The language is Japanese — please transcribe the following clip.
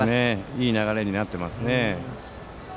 いい流れになっていますね。